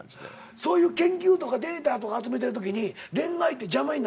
そういう研究とかデータとか集めてるときに恋愛って邪魔にならないの？